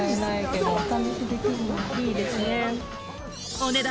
お値段